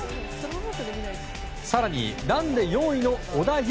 更にランで４位の織田夢